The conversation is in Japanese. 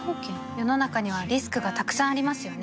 世の中にはリスクがたくさんありますよね